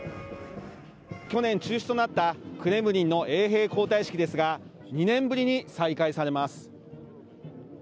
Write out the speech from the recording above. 去年、中止となったクレムリンの衛兵交代式ですが、２年ぶりに再開されます。